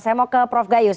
saya mau ke prof gayus